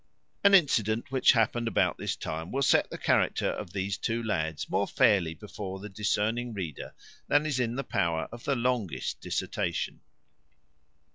An incident which happened about this time will set the characters of these two lads more fairly before the discerning reader than is in the power of the longest dissertation.